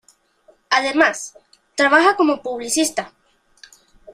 Además, trabaja como publicista.